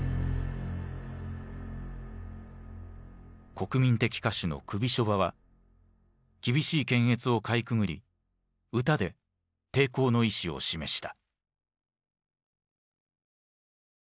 国民的歌手のクビショヴァは厳しい検閲をかいくぐり歌で抵抗の意思を示した。